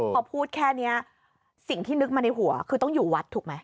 พอพูดแค่นี้สิ่งที่นึกมาในหัวคือต้องอยู่วัดถูกไหม